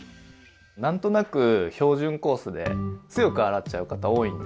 何となく標準コースで強く洗っちゃう方多いんですよね。